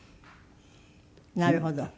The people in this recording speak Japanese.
なるほど。